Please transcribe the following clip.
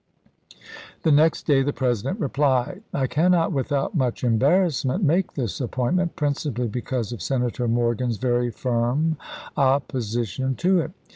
The next day the President replied :" I can not without much embarrassment make this appoint ment, principally because of Senator Morgan's very firm opposition to it.